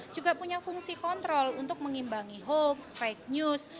juga punya fungsi kontrol untuk mengimbangi hoax fake news